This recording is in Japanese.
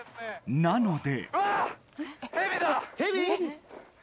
なので。